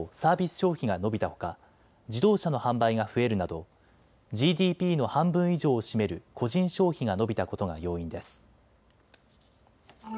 消費が伸びたほか自動車の販売が増えるなどＧＤＰの半分以上を占める個人消費が伸びたことが要因です。